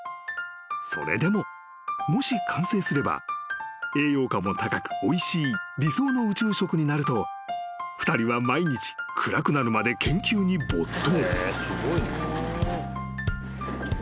［それでももし完成すれば栄養価も高くおいしい理想の宇宙食になると２人は毎日暗くなるまで研究に没頭］